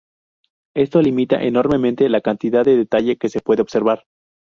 Esto limita enormemente la cantidad de detalle que se puede observar.